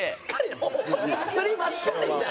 釣りばっかりじゃん！